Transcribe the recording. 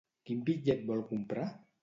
Quin bitllet vol comprar?